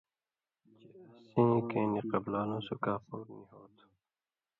چے اس کېں نی قبلالُوں سو کاپُھر نی ہوتُھو۔